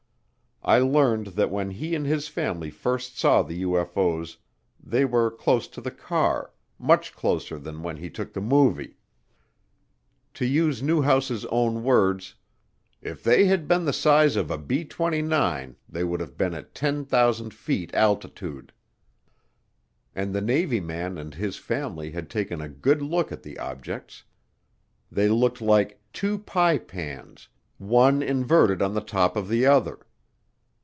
I learned that when he and his family first saw the UFO's they were close to the car, much closer than when he took the movie. To use Newhouse's own words, "If they had been the size of a B 29 they would have been at 10,000 feet altitude." And the Navy man and his family had taken a good look at the objects they looked like "two pie pans, one inverted on the top of the other!"